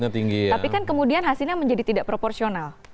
tapi kan kemudian hasilnya menjadi tidak proporsional